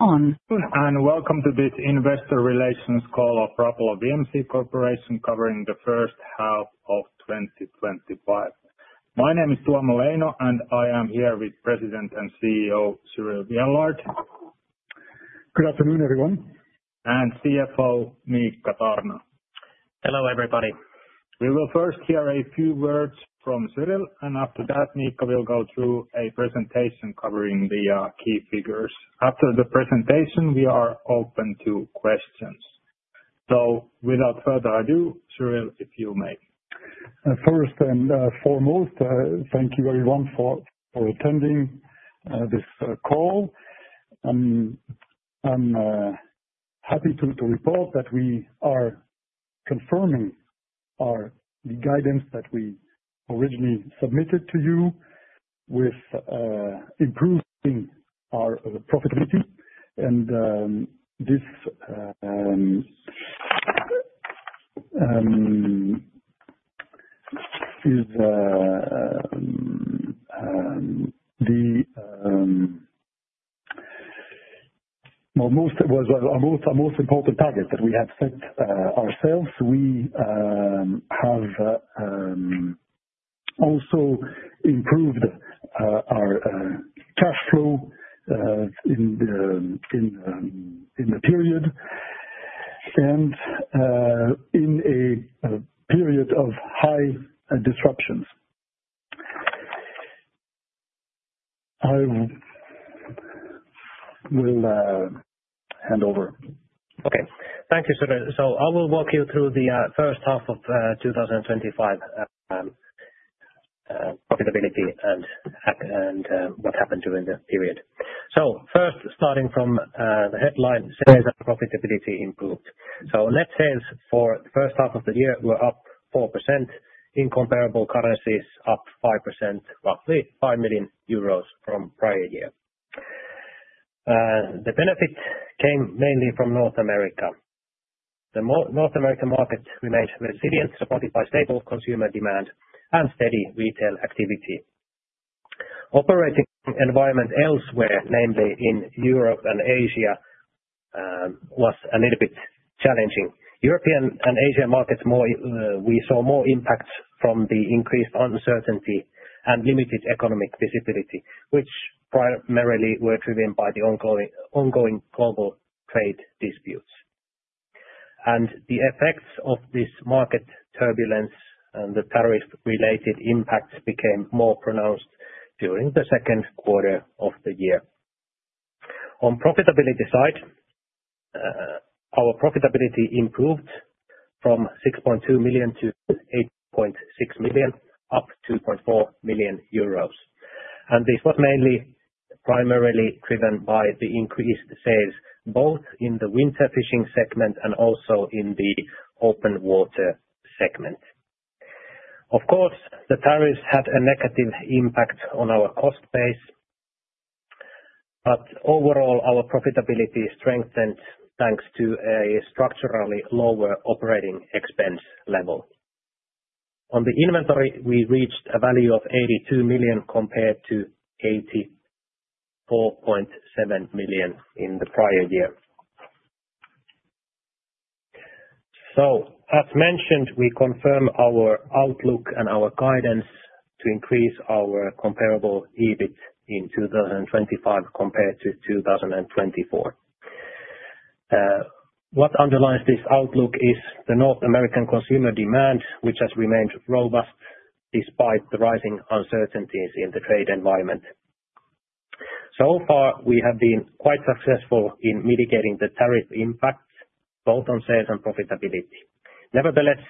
Welcome to this investor relations call of Rapala VMC Corporation covering the first half of 2025. My name is Tuomo Leino and I am here with President and CEO Cyrille Viellard. Good afternoon, everyone. CFO, Miikka Tarna. Hello, everybody. We will first hear a few words from Cyrille, and after that, Miikka will go through a presentation covering the key figures. After the presentation, we are open to questions. Without further ado, Cyrille, if you may. First and foremost, thank you very much for attending this call. I'm happy to report that we are confirming the guidance that we originally submitted to you with improving our profitability. This was our most important target that we have set ourselves. We have also improved our cash flow in the period and in a period of high disruptions. I will hand over. Okay. Thank you, Cyrille. I will walk you through the first half of 2025 profitability and what happened during the period. First, starting from the headline, seeing as our profitability improved. In that sense, for the first half of the year, we're up 4%. In constant currencies, up 5%, roughly 5 million euros from prior year. The benefit came mainly from North America. The North American market remains resilient, supported by stable consumer demand and steady retail activity. Operating environment elsewhere, namely in Europe and Asia, was a little bit challenging. In European and Asian markets, we saw more impacts from the increased uncertainty and limited economic visibility, which primarily were driven by the ongoing global trade disputes. The effects of this market turbulence and the tariff-related impacts became more pronounced during the second quarter of the year. On the profitability side, our profitability improved from 6.2 million-8.6 million, up 2.4 million euros. This was mainly primarily driven by the increased sales, both in the winter fishing segment and also in the open water segment. Of course, the tariffs had a negative impact on our cost base. Overall, our profitability strengthened thanks to a structurally lower operating expense level. On the inventory, we reached a value of 82 million compared to 84.7 million in the prior year. As mentioned, we confirm our outlook and our guidance to increase our comparable EBIT in 2025 compared to 2024. What underlies this outlook is the North American consumer demand, which has remained robust despite the rising uncertainties in the trade environment. We have been quite successful in mitigating the tariff impact, both on sales and profitability. Nevertheless,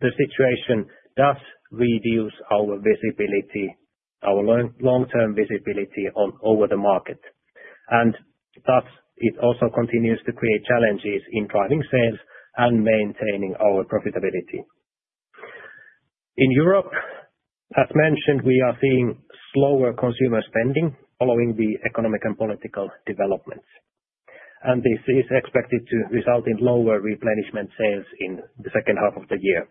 the situation does reduce our visibility, our long-term visibility over the market. It also continues to create challenges in driving sales and maintaining our profitability. In Europe, as mentioned, we are seeing slower consumer spending following the economic and political developments. This is expected to result in lower replenishment sales in the second half of the year.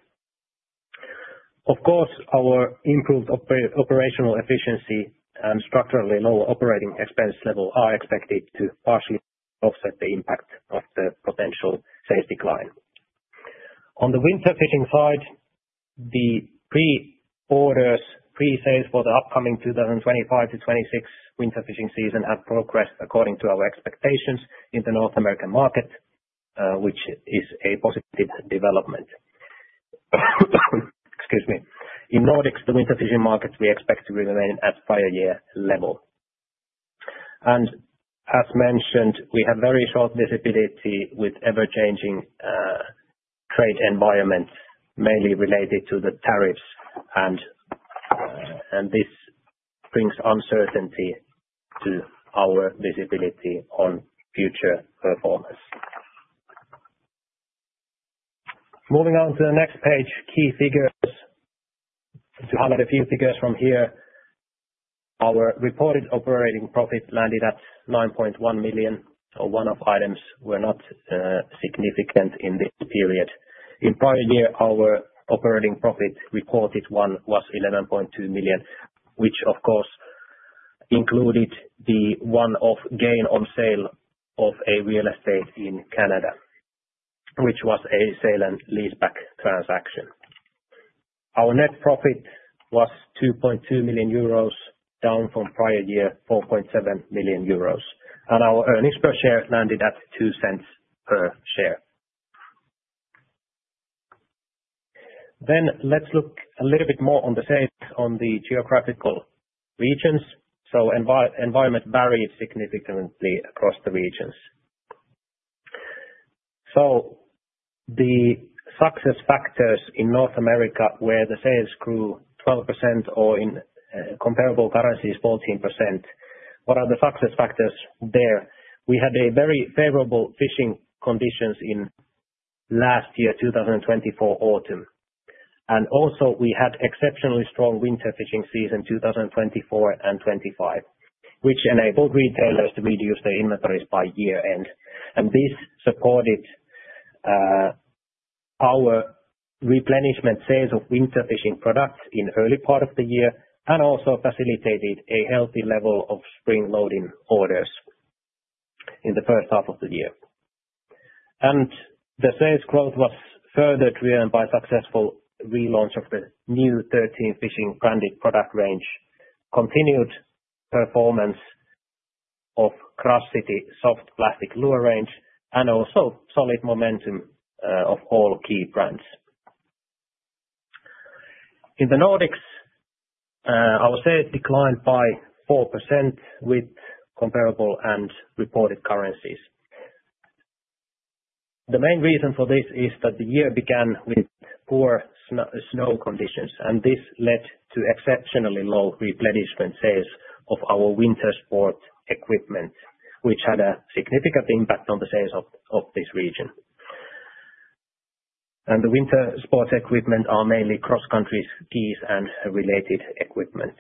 Our improved operational efficiency and structurally lower operating expense level are expected to partially offset the impact of the potential sales decline. On the winter fishing side, the pre-orders, pre-sales for the upcoming 2025 to 2026 winter fishing season have progressed according to our expectations in the North American market, which is a positive development. Excuse me. In Nordics, the winter fishing markets, we expect to remain at prior-year level. As mentioned, we have very short visibility with ever-changing trade environment, mainly related to the tariffs. This brings uncertainty to our visibility on future performance. Moving on to the next page, key figures. To highlight a few figures from here, our reported operating profit landed at 9.1 million. One-off items were not significant in this period. In prior year, our operating profit reported one was 11.2 million, which, of course, included the one-off gain on sale of a real estate in Canada, which was a sale and leaseback transaction. Our net profit was 2.2 million euros, down from prior year 4.7 million euros. Our earnings per share landed at 0.02 per share. Let's look a little bit more on the sales on the geographical regions. The environment varied significantly across the regions. The success factors in North America where the sales grew 12% or in comparable currencies 14%, what are the success factors there? We had very favorable fishing conditions in last year, 2024 autumn. We also had exceptionally strong winter fishing season 2024 and 2025, which enabled retailers to reduce their inventories by year-end. This supported our replenishment sales of winter fishing products in the early part of the year and also facilitated a healthy level of spring loading orders in the first half of the year. The sales growth was further driven by the successful relaunch of the new 13 Fishing branded product range, continued performance of CrushCity soft plastic lure range, and also solid momentum of all key brands. In the Nordics, our sales declined by 4% with comparable and reported currencies. The main reason for this is that the year began with poor snow conditions, and this led to exceptionally low replenishment sales of our winter sports equipment, which had a significant impact on the sales of this region. The winter sports equipment are mainly cross-country skis and related equipment.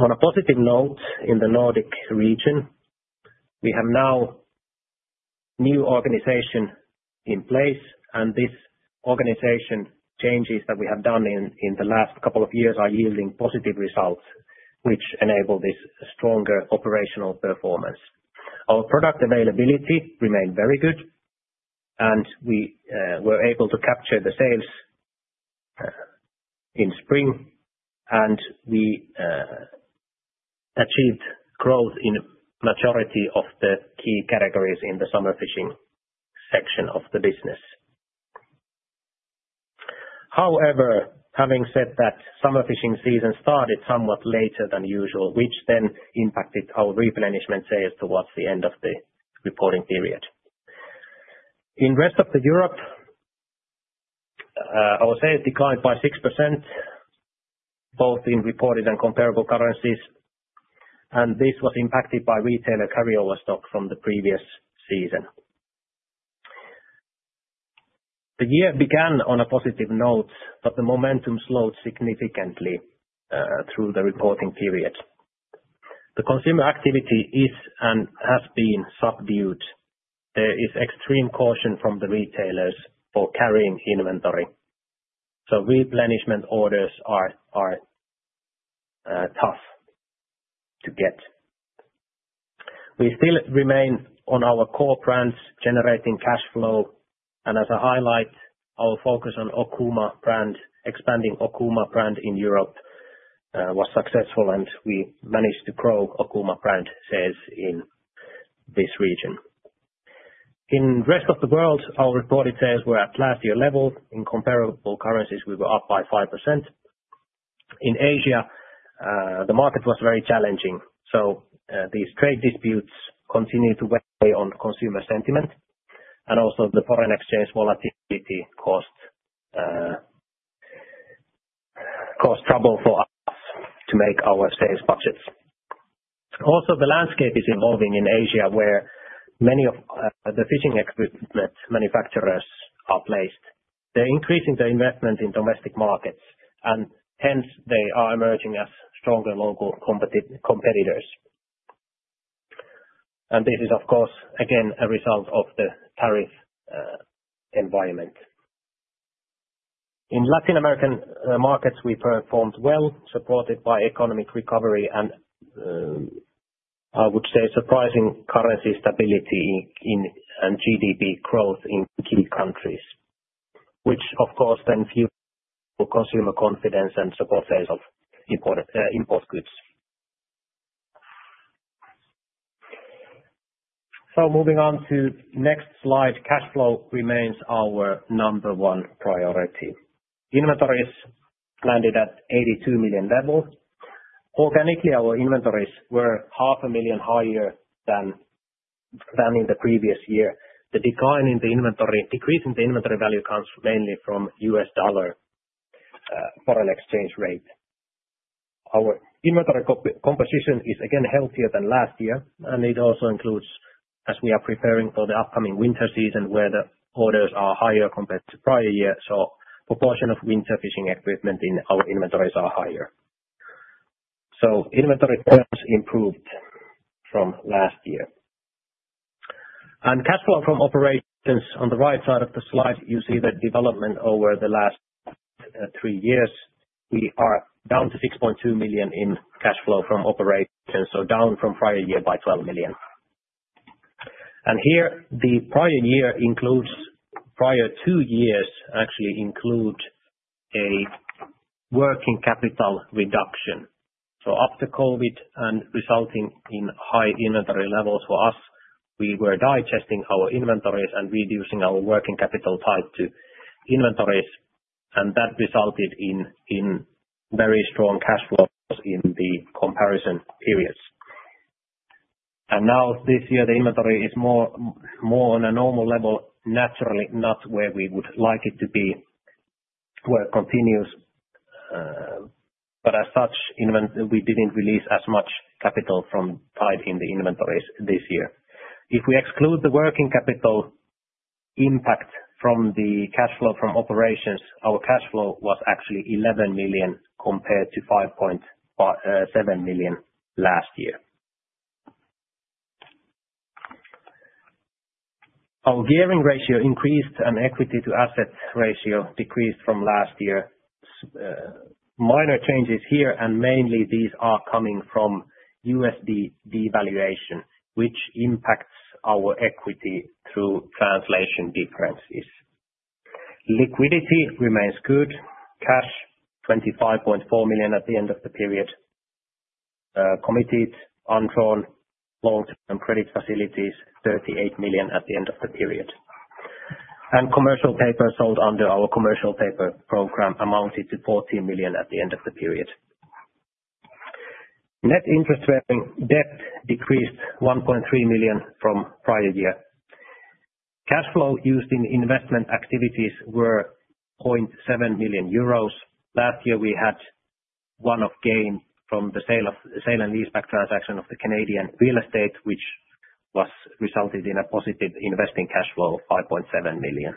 On a positive note, in the Nordic region, we have now a new organization in place, and this organization changes that we have done in the last couple of years are yielding positive results, which enable this stronger operational performance. Our product availability remained very good, and we were able to capture the sales in spring, and we achieved growth in the majority of the key categories in the summer fishing section of the business. However, having said that, summer fishing season started somewhat later than usual, which then impacted our replenishment sales towards the end of the reporting period. In the rest of Europe, our sales declined by 6%, both in reported and comparable currencies, and this was impacted by retailer carryover stock from the previous season. The year began on a positive note, but the momentum slowed significantly through the reporting period. The consumer activity is and has been subdued. There is extreme caution from the retailers for carrying inventory. Replenishment orders are tough to get. We still remain on our core brands, generating cash flow. As a highlight, our focus on Okuma brand, expanding Okuma brand in Europe, was successful, and we managed to grow Okuma brand sales in this region. In the rest of the world, our reported sales were at last year's level. In comparable currencies, we were up by 5%. In Asia, the market was very challenging. These trade disputes continue to weigh on consumer sentiment. Also, the foreign exchange volatility caused trouble for us to make our sales budgets. The landscape is evolving in Asia, where many of the fishing equipment manufacturers are placed. They're increasing their investment in domestic markets, and hence, they are emerging as stronger local competitors. This is, of course, again, a result of the tariff environment. In Latin American markets, we performed well, supported by economic recovery and, I would say, surprising currency stability and GDP growth in key countries, which, of course, then fueled consumer confidence and support sales of import goods. Moving on to the next slide, cash flow remains our number one priority. Inventories landed at 82 million level. Organically, our inventories were half a million higher than in the previous year. The decline in the inventory value comes mainly from the U.S. dollar foreign exchange rate. Our inventory composition is again healthier than last year, and it also includes, as we are preparing for the upcoming winter season, where the orders are higher compared to prior year. A proportion of winter fishing equipment in our inventories are higher. Inventory returns improved from last year. Cash flow from operations, on the right side of the slide, you see the development over the last three years. We are down to 6.2 million in cash flow from operations, down from prior year by 12 million. The prior year and prior two years actually include a working capital reduction. After COVID and resulting in high inventory levels for us, we were digesting our inventories and reducing our working capital tied to inventories, and that resulted in very strong cash flows in the comparison periods. This year, the inventory is more on a normal level, naturally not where we would like it to be where it continues. As such, we didn't release as much capital from tied in the inventories this year. If we exclude the working capital impact from the cash flow from operations, our cash flow was actually 11 million compared to 5.7 million last year. Our gearing ratio increased and equity to assets ratio decreased from last year. Minor changes here, and mainly these are coming from USD devaluation, which impacts our equity through translation differences. Liquidity remains good. Cash, 25.4 million at the end of the period. Committed and drawn long-term credit facilities, 38 million at the end of the period. Commercial paper sold under our commercial paper program amounted to €14 million at the end of the period. Net interest-bearing debt decreased 1.3 million from prior year. Cash flow used in investment activities was 0.7 million euros. Last year, we had one-off gain from the sale and leaseback transaction of the Canadian real estate, which resulted in a positive investing cash flow of 5.7 million.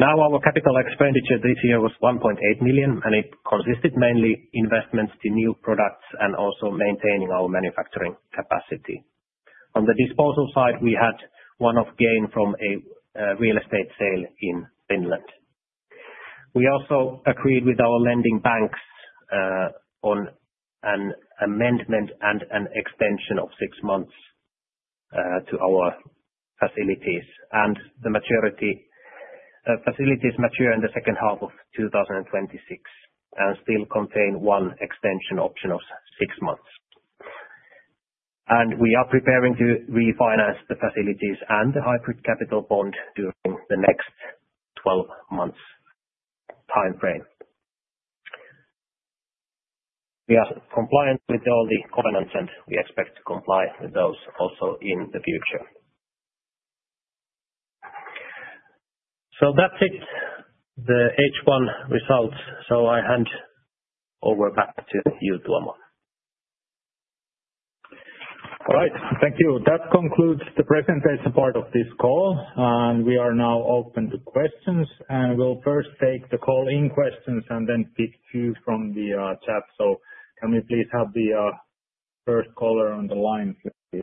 Our capital expenditure this year was 1.8 million, and it consisted mainly of investments in new products and also maintaining our manufacturing capacity. On the disposal side, we had one-off gain from a real estate sale in Finland. We also agreed with our lending banks on an amendment and an extension of six months to our facilities. The majority of facilities mature in the second half of 2026 and still contain one extension option of six months. We are preparing to refinance the facilities and the hybrid bond during the next 12 months' timeframe. We are compliant with all the covenants, and we expect to comply with those also in the future. That is it, the H1 results. I hand over back to you, Tuomo. All right. Thank you. That concludes the presentation part of this call. We are now open to questions. We'll first take the call-in questions and then pick two from the chat. Can we please have the first caller on the line? If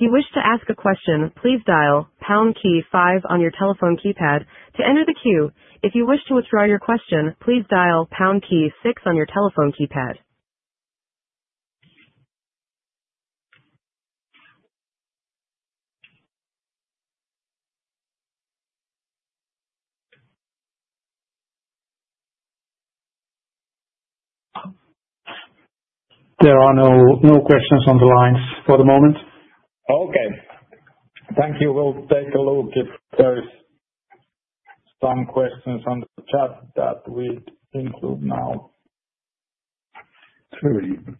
you wish to ask a question, please dial the pound key five on your telephone keypad to enter the queue. If you wish to withdraw your question, please dial the pound key six on your telephone keypad. There are no questions on the lines for the moment. Okay. Thank you. We'll take a look if there's some questions on the chat that we'll include now. Reading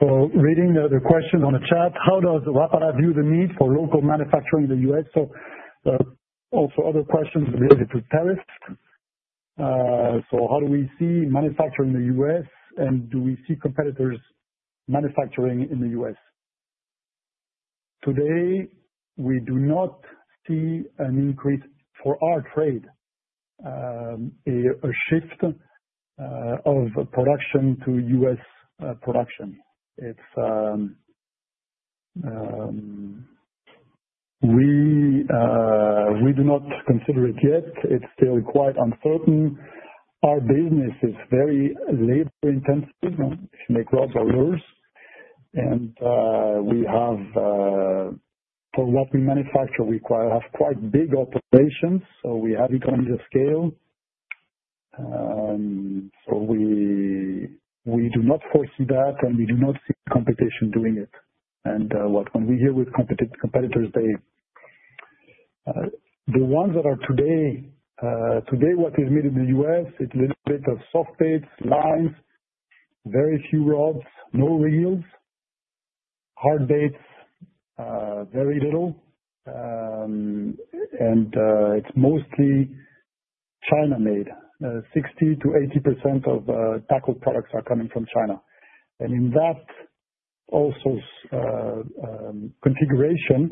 the question on the chat, how does Rapala VMC Corporation view the need for local manufacturing in the U.S.? Also, other questions related to tariffs. How do we see manufacturing in the U.S., and do we see competitors manufacturing in the U.S.? Today, we do not see an increase for our trade, a shift of production to U.S. production. We do not consider it yet. It's still quite uncertain. Our business is very labor-intensive. It makes our job worse. For what we manufacture, we have quite big operations. We have economies of scale. We do not foresee that, and we do not see competition doing it. What can we do with competitors? The ones that are today, what is made in the U.S., it's a little bit of soft baits, lines, very few rods, no reels, hard baits, very little. It's mostly China-made. 60%-80% of tackle products are coming from China. In that configuration,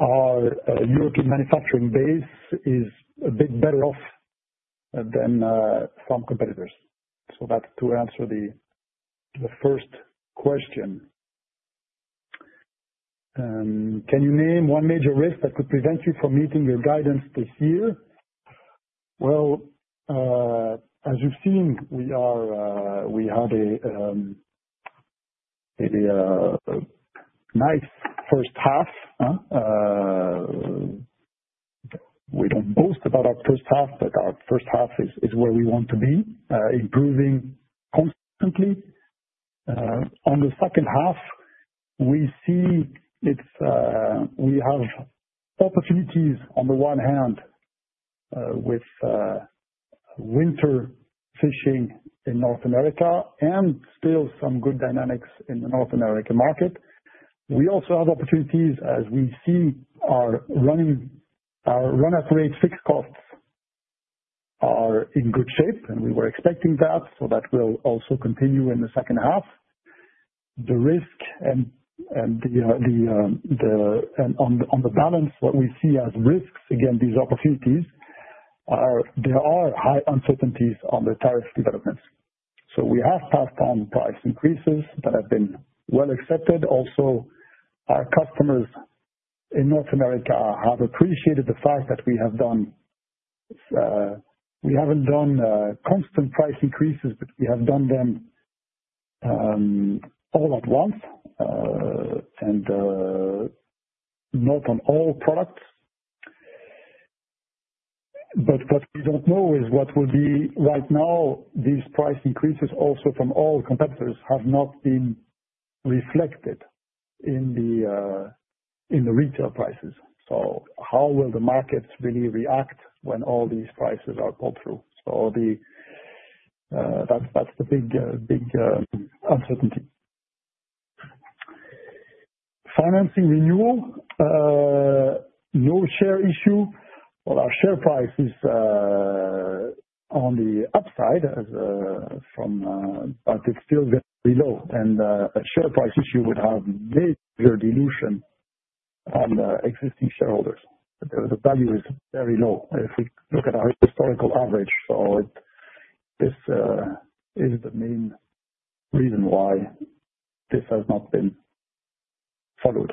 our European manufacturing base is a bit better off than some competitors. That answers the first question. Can you name one major risk that could prevent you from meeting your guidance this year? As you've seen, we had a nice first half. We don't boast about our first half, but our first half is where we want to be, improving constantly. In the second half, we see we have opportunities on the one hand with winter fishing in North America and still some good dynamics in the North American market. We also have opportunities as we see our run-up rate fixed costs are in good shape, and we were expecting that. That will also continue in the second half. The risk and on the balance, what we see as risks, again, these opportunities are there are high uncertainties on the tariff developments. We have some price increases that have been well accepted. Our customers in North America have appreciated the fact that we haven't done constant price increases, but we have done them all at once and not on all products. What we don't know is what will be right now. These price increases also from all competitors have not been reflected in the retail prices. How will the markets really react when all these prices are pulled through? That's the big uncertainty. Financing renewal, no share issue. Our share price is on the upside, but it's still very low. A share price issue would have major dilution on the existing shareholders. The value is very low if we look at our historical average. This is the main reason why this has not been followed.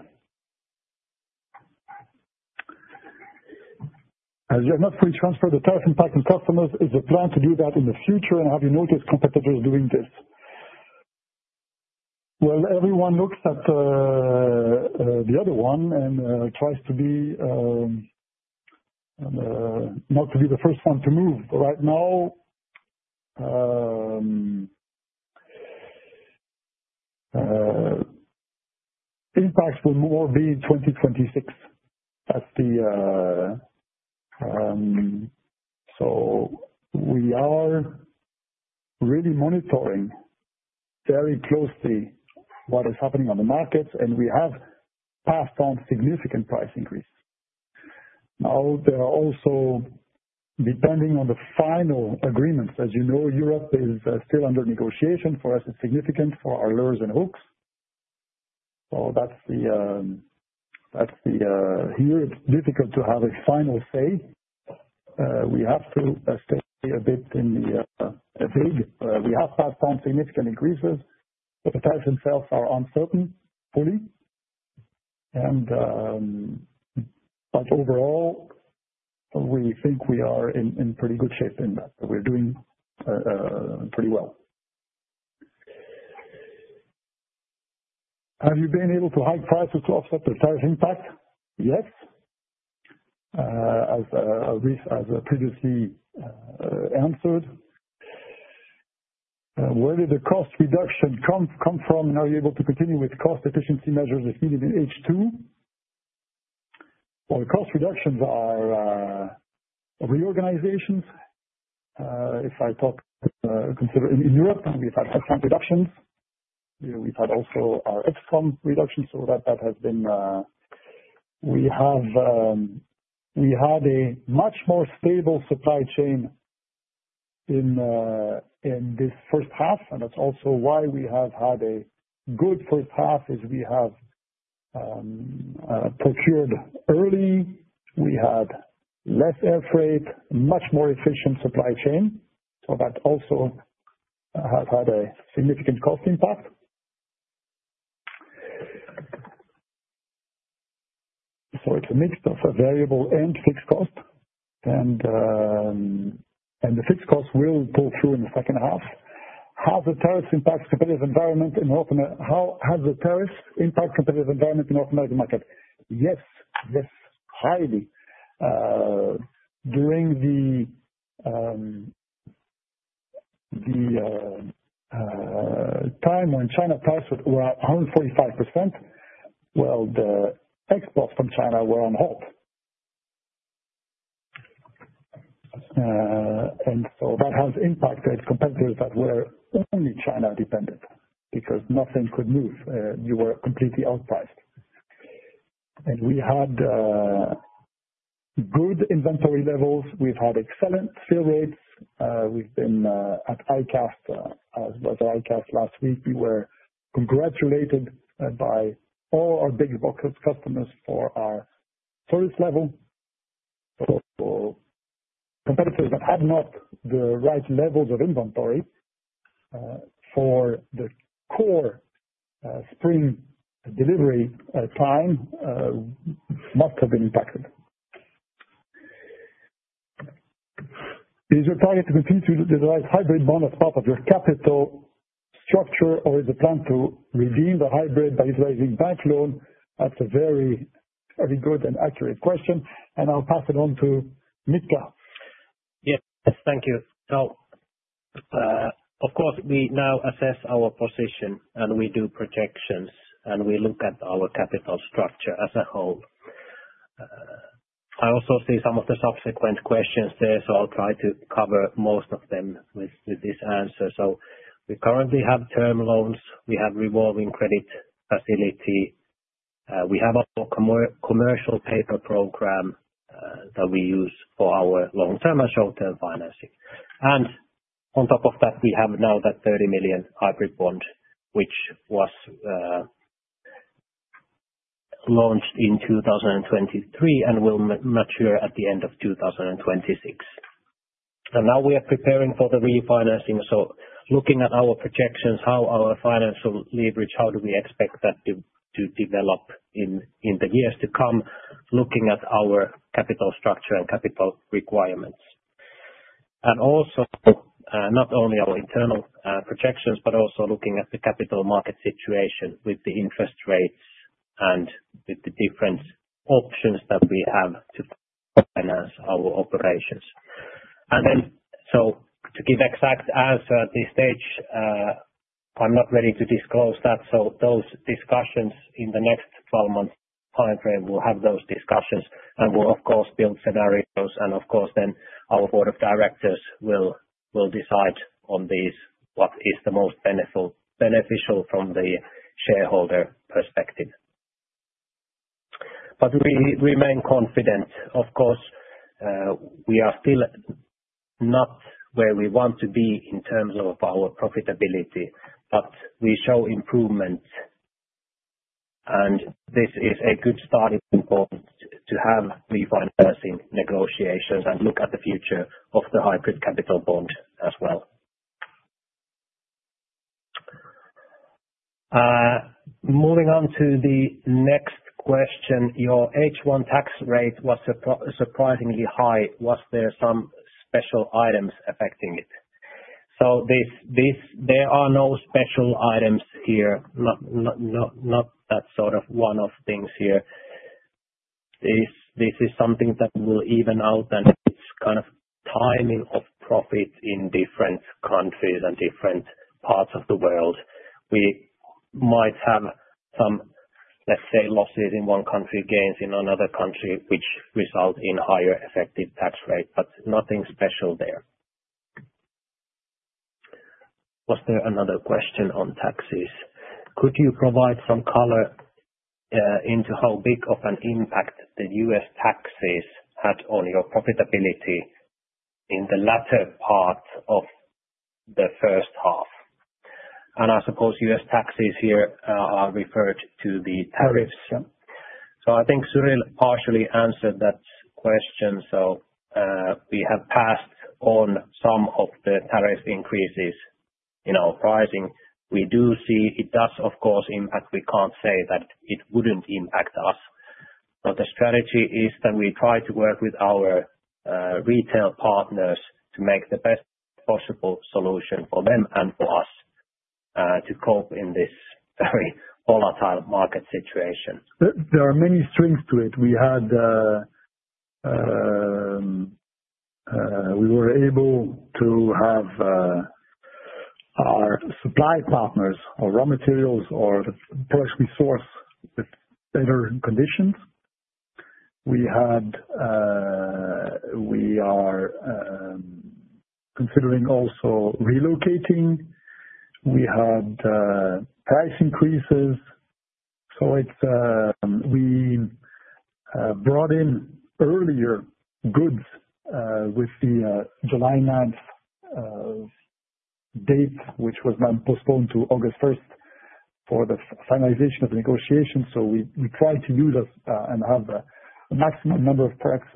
As you're not free to transfer the tariff impact on customers, is the plan to do that in the future, and have you noticed competitors doing this? Everyone looks at the other one and tries not to be the first one to move. Right now, impacts will more be in 2026. We are really monitoring very closely what is happening on the markets, and we have passed on significant price increases. There are also, depending on the final agreements, as you know, Europe is still under negotiation for us. It's significant for our lures and hooks. Here, it's difficult to have a final say. We have to stay a bit in the agreed. We have passed on significant increases, but the tariffs themselves are uncertain fully. Overall, we think we are in pretty good shape in that. We're doing pretty well. Have you been able to hike prices to offset the tariff impact? Yes. As I previously answered, where did the cost reduction come from? Are you able to continue with cost efficiency measures as needed in H2? The cost reductions are reorganizations. If I talk in Europe, we've had some reductions. We've had also our EXCOM reductions. That has been, we had a much more stable supply chain in this first half. That's also why we have had a good first half, we have procured early. We had less air freight, much more efficient supply chain. That also has had a significant cost impact. It's a mix of a variable and fixed cost. The fixed cost will pull through in the second half. Has the tariffs impact competitive environment in North America? How has the tariffs impact competitive environment in the North American market? Yes, yes, highly. During the time when China prices were around 45%, the exports from China were on hold. That has impacted competitors that were only China-dependent because nothing could move. You were completely outpriced. We had good inventory levels. We've had excellent sale rates. We've been at ICAST, I was at ICAST last week. We were congratulated by all our big box customers for our service level. Competitors that had not the right levels of inventory for the core spring delivery time must have been impacted. Is it a target to continue to utilize hybrid bond at the top of your capital structure, or is the plan to redeem the hybrid by utilizing bank loan? That's a very good and accurate question. I'll pass it on to Miikka. Yes. Thank you. Of course, we now assess our position, and we do projections, and we look at our capital structure as a whole. I also see some of the subsequent questions there, so I'll try to cover most of them with this answer. We currently have term loans. We have a revolving credit facility. We have a commercial paper program that we use for our long-term and short-term financing. On top of that, we have now that 30 million hybrid bond, which was launched in 2023 and will mature at the end of 2026. We are preparing for the refinancing. Looking at our projections, how our financial leverage, how do we expect that to develop in the years to come, looking at our capital structure and capital requirements. Also, not only our internal projections, but also looking at the capital market situation with the interest rates and with the different options that we have to finance our operations. To give an exact answer at this stage, I'm not ready to disclose that. Those discussions in the next 12 months' timeframe, we'll have those discussions and we'll, of course, build scenarios. Our Board of Directors will decide on these, what is the most beneficial from the shareholder perspective. We remain confident. Of course, we are still not where we want to be in terms of our profitability, but we show improvement. This is a good starting point to have refinancing negotiations and look at the future of the hybrid capital bond as well. Moving on to the next question, your H1 tax rate was surprisingly high. Was there some special items affecting it? There are no special items here. Not that sort of one-off things here. This is something that will even out and it's kind of timing of profit in different countries and different parts of the world. We might have some, let's say, losses in one country, gains in another country, which result in higher effective tax rates, but nothing special there. Was there another question on taxes? Could you provide some color into how big of an impact the U.S. taxes had on your profitability in the latter part of the first half? I suppose U.S. taxes here are referred to the tariffs. I think Cyrille partially answered that question. We have passed on some of the tariff increases in our pricing. We do see it does, of course, impact. We can't say that it wouldn't impact us. The strategy is that we try to work with our retail partners to make the best possible solution for them and for us to cope in this very volatile market situation. There are many strings to it. We were able to have our supply partners or raw materials or the products we source with better conditions. We are considering also relocating. We had price increases. We brought in earlier goods with the July 9th date, which was then postponed to August 1st for the finalization of the negotiation. We tried to use us and have the maximum number of products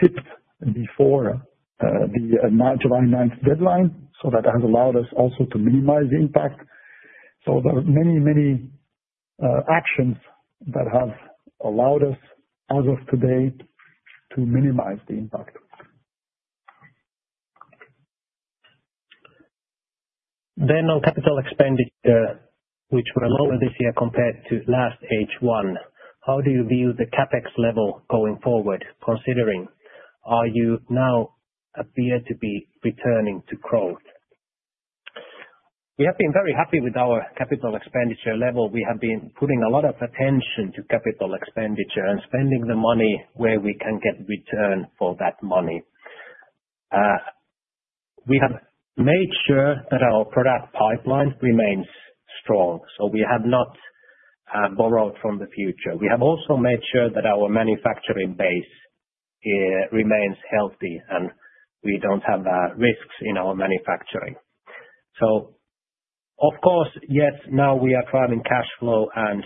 shipped before the July 9th deadline. That has allowed us also to minimize the impact. There are many, many actions that have allowed us, as of today, to minimize the impact. Our capital expenditure, which were lower this year compared to last H1, how do you view the CapEx level going forward, considering you now appear to be returning to growth? We have been very happy with our capital expenditure level. We have been putting a lot of attention to capital expenditure and spending the money where we can get return for that money. We have made sure that our product pipeline remains strong. We have not borrowed from the future. We have also made sure that our manufacturing base remains healthy and we don't have risks in our manufacturing. Of course, yes, now we are driving cash flow and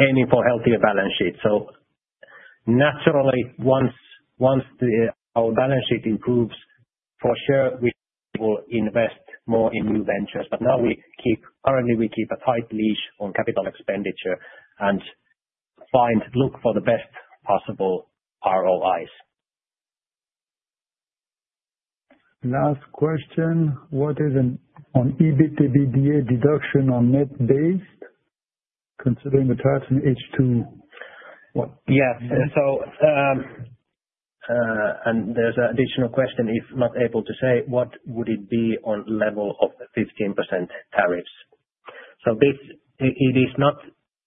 aiming for a healthier balance sheet. Naturally, once our balance sheet improves, for sure, we will invest more in new ventures. For now, we keep a tight leash on capital expenditure and look for the best possible ROIs. Last question. What is an EBITDA deduction on net based considering the tariffs in H2? Yeah. There's an additional question. If not able to say, what would it be on level of 15% tariffs? It is not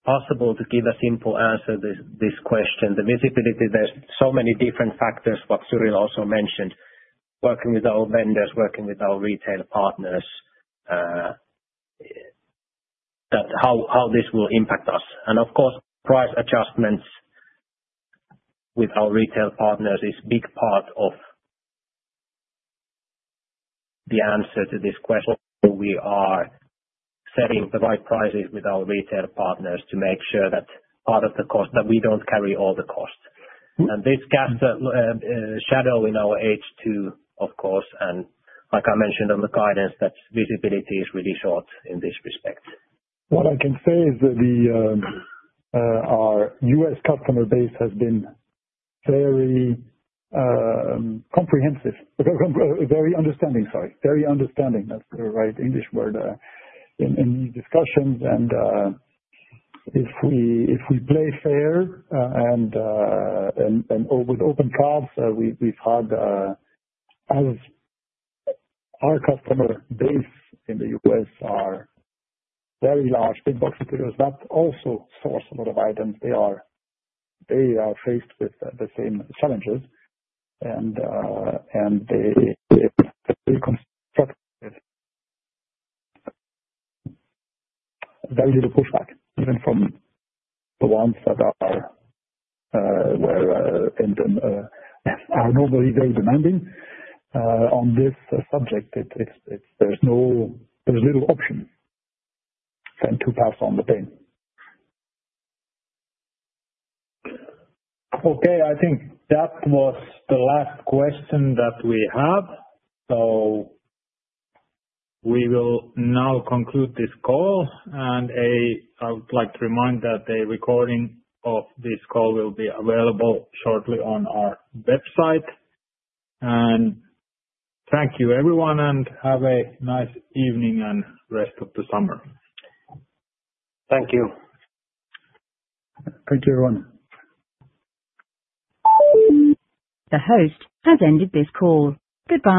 possible to give a simple answer to this question. The visibility, there are so many different factors, what Cyrille also mentioned, working with our vendors, working with our retail partners, that how this will impact us. Of course, price adjustments with our retail partners is a big part of the answer to this question. We are setting the right prices with our retail partners to make sure that part of the cost, that we don't carry all the costs. This casts a shadow in our H2, of course. Like I mentioned on the guidance, that visibility is really short in this respect. What I can say is that our U.S. customer base has been very comprehensive, very understanding. That's the right English word in these discussions. If we play fair and with open paths, we've had our customer base in the U.S. are very large, big box materials that also source a lot of items. They are faced with the same challenges. They construct very little pushback, even from the ones that are normally very demanding. On this subject, there's little option than to pass on the pain. Okay. I think that was the last question that we have. We will now conclude this call. I would like to remind that the recording of this call will be available shortly on our website. Thank you, everyone, and have a nice evening and rest of the summer. Thank you. Thank you, everyone. The host has ended this call. Goodbye.